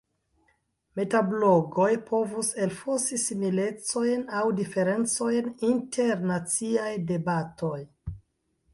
Metablogoj povus elfosi similecojn aŭ diferencojn inter naciaj debatoj.